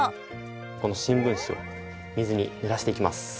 この新聞紙を水にぬらしていきます。